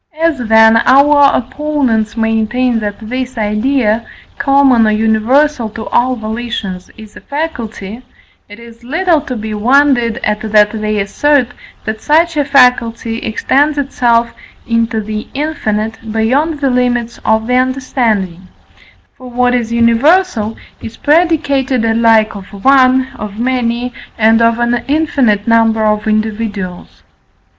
As, then, our opponents maintain that this idea, common or universal to all volitions, is a faculty, it is little to be wondered at that they assert, that such a faculty extends itself into the infinite, beyond the limits of the understanding: for what is universal is predicated alike of one, of many, and of an infinite number of individuals.